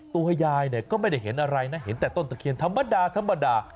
ตัวยายก็ไม่ได้เห็นอะไรนะเห็นแต่ต้นตะเขียนธรรมดา